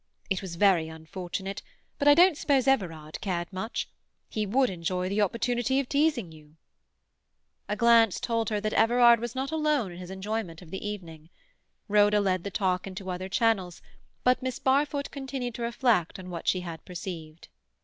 It was very unfortunate, but I don't suppose Everard cared much. He would enjoy the opportunity of teasing you." A glance told her that Everard was not alone in his enjoyment of the evening. Rhoda led the talk into other channels, but Miss Barfoot continued to reflect on what she had perceived.